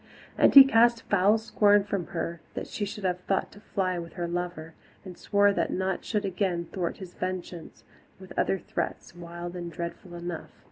And he cast foul scorn at her that she should have thought to fly with her lover, and swore that naught should again thwart his vengeance, with other threats, wild and dreadful enough.